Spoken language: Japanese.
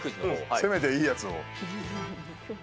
せめていいやつを。